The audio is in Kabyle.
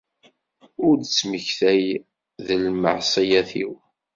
Ur d-ttmektay d lmeɛṣiyat-iw.